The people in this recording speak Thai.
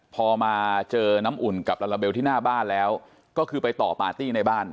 พอมาเจอน้ำอุ่นกับลาลาเบลที่หน้าบ้านแล้วก็คือไปต่อปาร์ตี้ในบ้าน